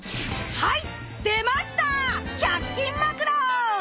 はい。